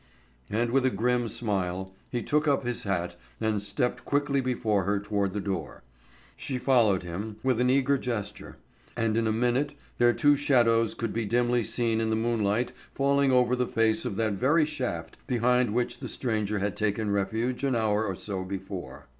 And with a grim smile, he took up his hat and stepped quickly before her toward the door. She followed him, with an eager gesture, and in a minute their two shadows could be dimly seen in the moonlight falling over the face of that very shaft behind which the stranger had taken refuge an hour or so before.